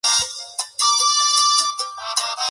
Planta resistente, alta, glabra y de color verde azulado.